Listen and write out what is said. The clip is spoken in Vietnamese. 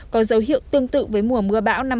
có dấu hiệu tương tự với mùa mưa bão năm hai nghìn hai mươi